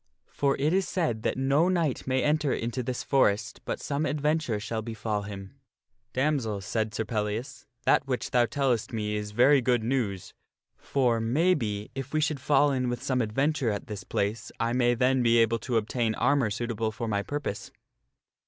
For it is said that no knight may enter into this forest but some adventure shall befall him." aio THE STORY OF SIR PELLIAS " Damsel," said Sir Pellias, " that which thou tellest me is very good news. For, maybe, if we should fall in with some adventure at this place I may then be able to obtain armor suitable for my purpose."